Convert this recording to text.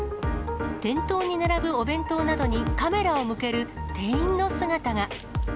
店頭に並ぶお弁当などにカメラを向ける店員の姿が。